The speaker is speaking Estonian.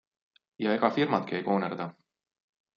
Ja ega firmadki ei koonerda.